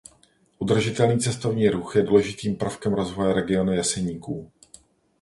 Udržitelný cestovní ruch je důležitým prvkem rozvoje regionu Jeseníků.